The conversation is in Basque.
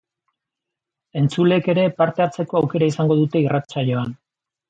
Entzuleek ere parte hartzeko aukera izango dute irratsaioan.